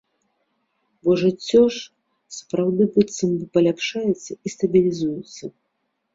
Бо жыццё ж сапраўды быццам бы паляпшаецца і стабілізуецца.